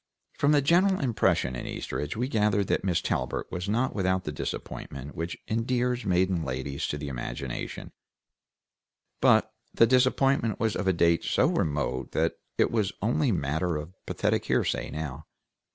From the general impression in Eastridge we gathered that Miss Talbert was not without the disappointment which endears maiden ladies to the imagination, but the disappointment was of a date so remote that it was only matter of pathetic hearsay, now.